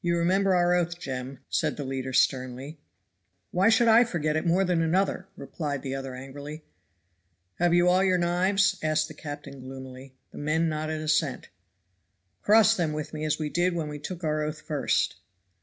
"You remember our oath, Jem," said the leader sternly. "Why should I forget it more than another?" replied the other angrily. "Have you all your knives?" asked the captain gloomily. The men nodded assent. "Cross them with me as we did when we took our oath first."